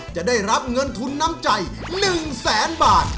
จะได้รับเงินทุนน้ำใจ๑แสนบาท